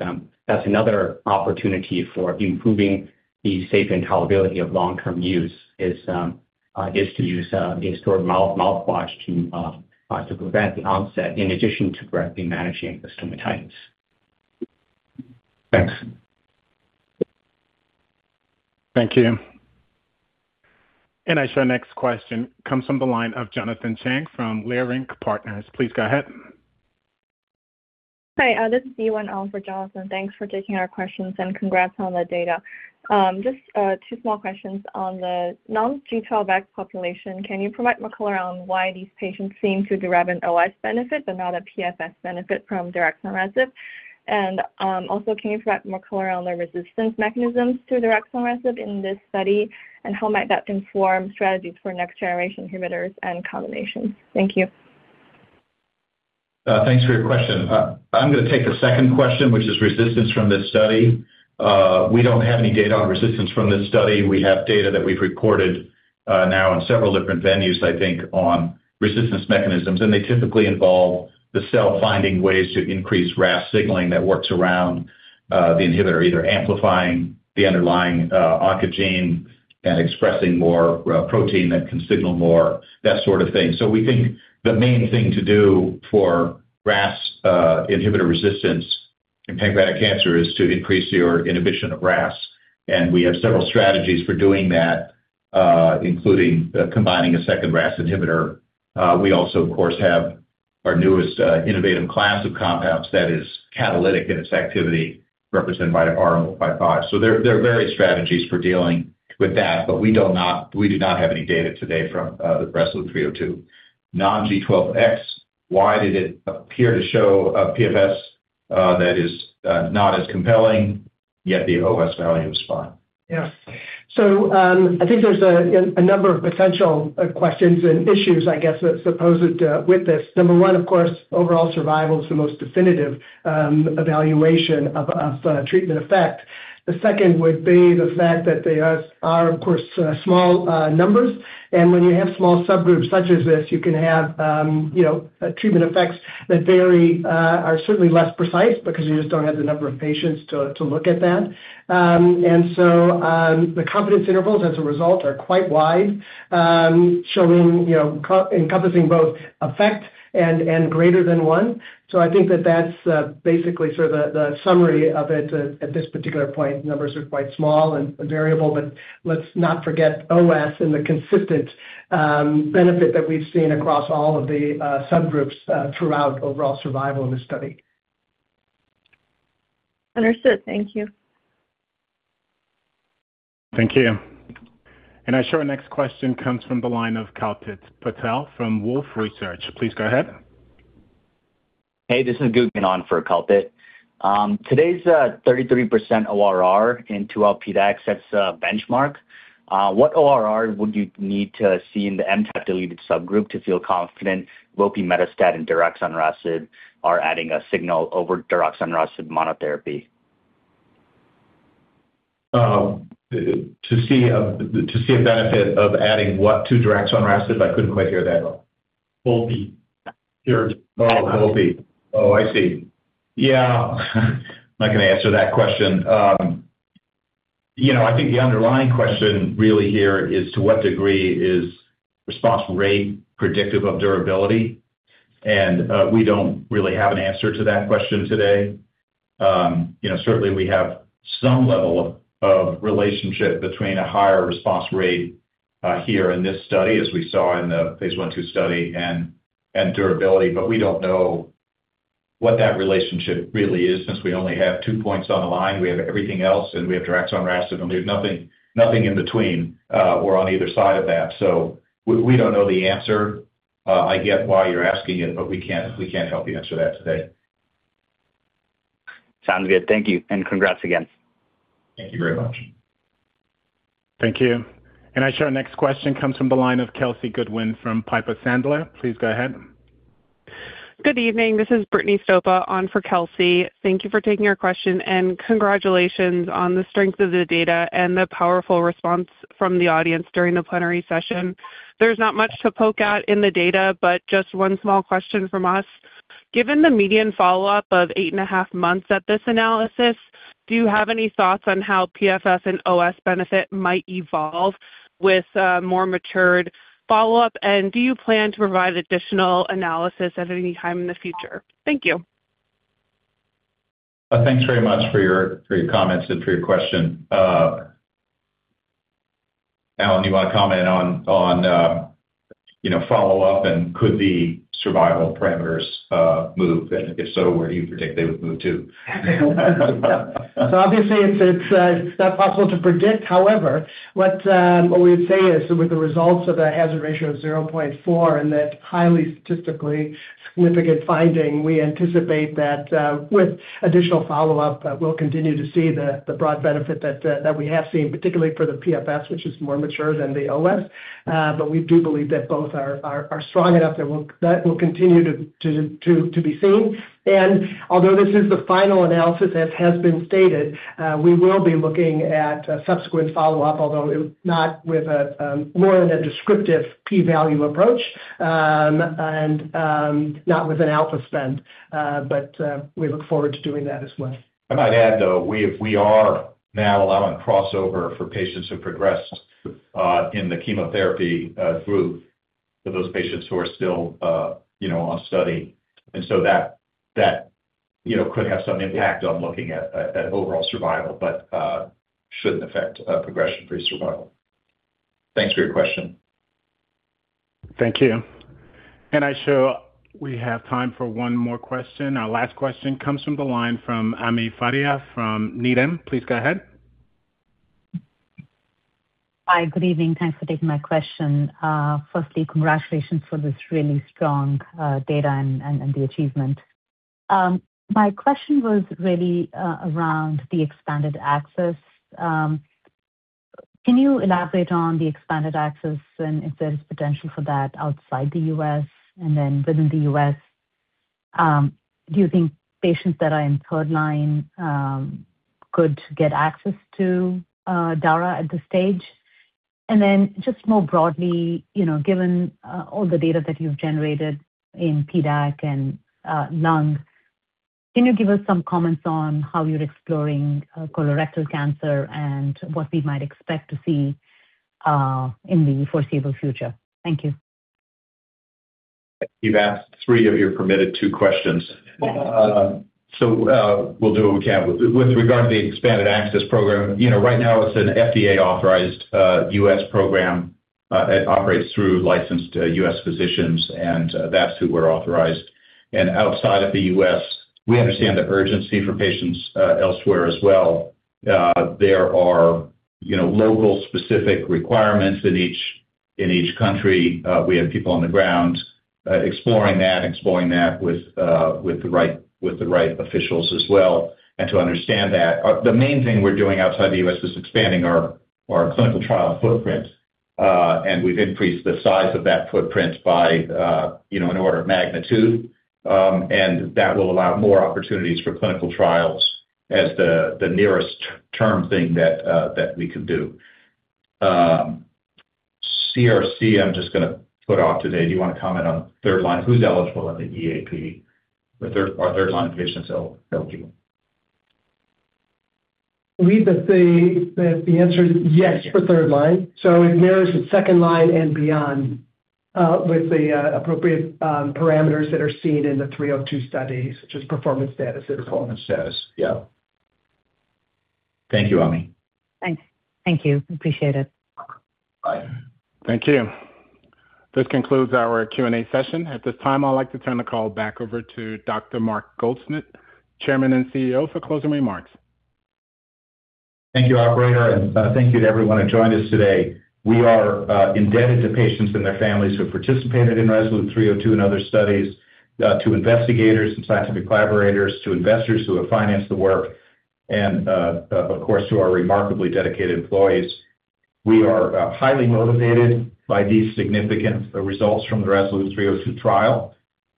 D: that's another opportunity for improving the safe intolerability of long-term use, is to use a steroid mouthwash to prevent the onset in addition to correctly managing the stomatitis.
P: Thanks.
A: Thank you. I show our next question comes from the line of Jonathan Chang from Leerink Partners. Please go ahead.
Q: Hi, this is Yiwen on for Jonathan. Thanks for taking our questions, and congrats on the data. Just two small questions on the non-G12X population. Can you provide more color on why these patients seem to derive an overall survival benefit but not a PFS benefit from daraxonrasib? Also, can you provide more color on the resistance mechanisms to daraxonrasib in this study, and how might that inform strategies for next-generation inhibitors and combinations? Thank you.
C: Thanks for your question. I'm going to take the second question, which is resistance from this study. We don't have any data on resistance from this study. We have data that we've reported now in several different venues, I think, on resistance mechanisms, and they typically involve the cell finding ways to increase RAS signaling that works around the inhibitor, either amplifying the underlying oncogene and expressing more protein that can signal more, that sort of thing. We think the main thing to do for RAS inhibitor resistance in pancreatic cancer is to increase your inhibition of RAS. We have several strategies for doing that, including combining a second RAS inhibitor. We also, of course, have our newest innovative class of compounds that is catalytic in its activity, represented by RM-055. There are various strategies for dealing with that, but we do not have any data today from the RASolute 302 non-G12X. Why did it appear to show a PFS that is not as compelling, yet the overall survival value is fine?
G: Yeah. I think there's a number of potential questions and issues, I guess, that's opposed with this. Number one, of course, overall survival is the most definitive evaluation of treatment effect. The second would be the fact that they are, of course, small numbers. When you have small subgroups such as this, you can have treatment effects that vary, are certainly less precise because you just don't have the number of patients to look at that. The confidence intervals as a result are quite wide, encompassing both effect and greater than one. I think that that's basically sort of the summary of it at this particular point. Numbers are quite small and variable, but let's not forget overall survival and the consistent benefit that we've seen across all of the subgroups throughout overall survival in this study.
Q: Understood. Thank you.
A: Thank you. I show our next question comes from the line of Kalpit Patel from Wolfe Research. Please go ahead.
R: Hey, this is Gugan on for Kalpit. Today's 33% ORR in 2L+, that's a benchmark. What ORR would you need to see in the MTAP deleted subgroup to feel confident vopimetostat and daraxonrasib are adding a signal over daraxonrasib monotherapy?
C: To see a benefit of adding what to daraxonrasib? I couldn't quite hear that.
R: Vopimetostat.
C: Oh, vopimetostat. Oh, I see. Yeah. I'm not going to answer that question. I think the underlying question really here is to what degree is response rate predictive of durability, and we don't really have an answer to that question today. Certainly, we have some level of relationship between a higher response rate here in this study, as we saw in the phase I/II study, and durability. We don't know what that relationship really is, since we only have two points on a line. We have everything else, and we have daraxonrasib, and there's nothing in between or on either side of that. We don't know the answer. I get why you're asking it, but we can't help you answer that today.
R: Sounds good. Thank you, and congrats again.
C: Thank you very much.
A: Thank you. I show our next question comes from the line of Kelsey Goodwin from Piper Sandler. Please go ahead.
S: Good evening. This is Brittany Stopa on for Kelsey. Thank you for taking our question, and congratulations on the strength of the data and the powerful response from the audience during the plenary session. There is not much to poke at in the data, but just one small question from us. Given the median follow-up of 8.5 months at this analysis, do you have any thoughts on how PFS and overall survival benefit might evolve with more matured follow-up? Do you plan to provide additional analysis at any time in the future? Thank you.
C: Thanks very much for your comments and for your question. Alan, you want to comment on follow-up? Could the survival parameters move? If so, where do you predict they would move to?
G: Obviously, it's not possible to predict. However, what we would say is, with the results of the hazard ratio of 0.4 and that highly statistically significant finding, we anticipate that with additional follow-up, we'll continue to see the broad benefit that we have seen, particularly for the PFS, which is more mature than the overall survival. We do believe that both are strong enough, that will continue to be seen. Although this is the final analysis, as has been stated, we will be looking at subsequent follow-up, although not with more than a descriptive P-value approach, and not with an alpha spend. We look forward to doing that as well.
C: I might add, though, we are now allowing crossover for patients who progressed in the chemotherapy group for those patients who are still on study. That could have some impact on looking at overall survival but shouldn't affect progression-free survival. Thanks for your question.
A: Thank you. I show we have time for one more question. Our last question comes from the line from Ami Fadia from Needham. Please go ahead.
T: Hi. Good evening. Thanks for taking my question. Firstly, congratulations for this really strong data and the achievement. My question was really around the expanded access. Can you elaborate on the expanded access and if there is potential for that outside the U.S.? Then within the U.S., do you think patients that are in third line could get access to daraxonrasib at this stage? Then just more broadly, given all the data that you've generated in PDAC and lung, can you give us some comments on how you're exploring colorectal cancer and what we might expect to see in the foreseeable future? Thank you.
C: You've asked three of your permitted two questions.
T: Yeah.
C: We'll do what we can. With regard to the Expanded Access Program, right now it's an FDA-authorized U.S. program that operates through licensed U.S. physicians. That's who we're authorized. Outside of the U.S., we understand the urgency for patients elsewhere as well. There are local specific requirements in each country. We have people on the ground exploring that, exploring that with the right officials as well, and to understand that. The main thing we're doing outside the U.S. is expanding our clinical trial footprint. We've increased the size of that footprint by an order of magnitude. That will allow more opportunities for clinical trials as the nearest term thing that we can do. CRC, I'm just going to put off today. Do you want to comment on third line? Who's eligible at the EAP? Are third-line patients eligible?
G: We would say that the answer is yes for third line. It mirrors the second line and beyond with the appropriate parameters that are seen in the 302 study, such as performance status.
C: Performance status. Yeah. Thank you, Ami.
T: Thanks. Thank you. Appreciate it.
C: Bye.
A: Thank you. This concludes our Q&A session. At this time, I'd like to turn the call back over to Dr. Mark Goldsmith, Chairman and CEO, for closing remarks.
C: Thank you, operator, and thank you to everyone who joined us today. We are indebted to patients and their families who participated in RASolute 302 and other studies, to investigators and scientific collaborators, to investors who have financed the work, and, of course, to our remarkably dedicated employees. We are highly motivated by these significant results from the RASolute 302 trial,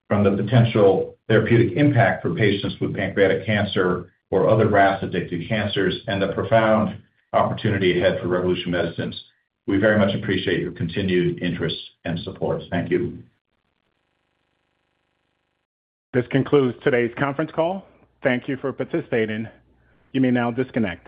C: from the potential therapeutic impact for patients with pancreatic cancer or other RAS-addicted cancers, and the profound opportunity ahead for Revolution Medicines. We very much appreciate your continued interest and support. Thank you.
A: This concludes today's conference call. Thank you for participating. You may now disconnect.